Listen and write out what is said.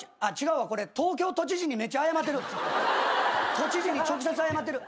都知事に直接謝ってる。